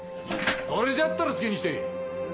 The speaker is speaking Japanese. それじゃったら好きにしてええ。